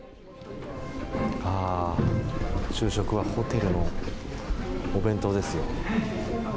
昼食はホテルのお弁当ですよ。